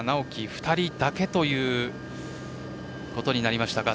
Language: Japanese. ２人だけということになりました。